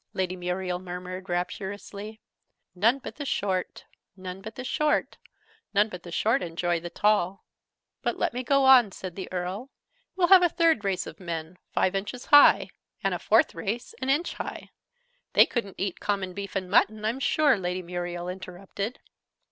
Lady Muriel murmured rapturously. "None but the Short, none but the Short, none but the Short enjoy the Tall!" "But let me go on," said the Earl. "We'll have a third race of men, five inches high; a fourth race, an inch high " "They couldn't eat common beef and mutton, I'm sure!" Lady Muriel interrupted.